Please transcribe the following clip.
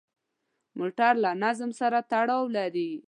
موټر له نظم سره تړاو لري.